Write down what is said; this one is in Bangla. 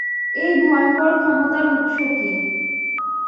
এই ভয়ঙ্কর ক্ষমতার উৎস কী?